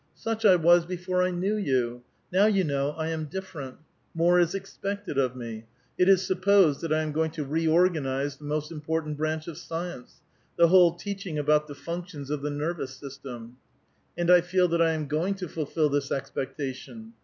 Such I was before I knew you ; now you kiww I am different. More is expected of me ; it is supposed that I am going to reorganize the most impoitant branch of science, the whole teaching about the functions of the neiTOus system ; and 1 feel that I am going to fulfil this expectation.